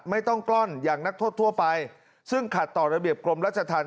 ไม่ต้องกล้อนอย่างนักโทษทั่วไปซึ่งขัดต่อระเบียบกรมราชธรรม